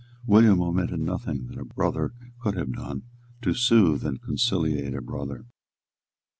William omitted nothing that a brother could have done to soothe and conciliate a brother.